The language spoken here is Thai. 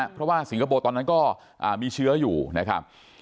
เพราะว่าสิงคโปร์ตอนนั้นก็มีเชื้ออยู่นะครับ